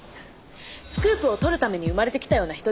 スクープを撮るために生まれてきたような人です。